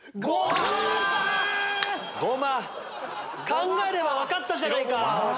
考えれば分かったじゃないか！